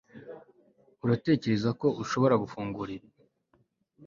uratekereza ko ushobora gufungura ibi